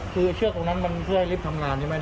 คือเชือกตรงนั้นมันเพื่อให้ลิฟต์ทำงานใช่ไหม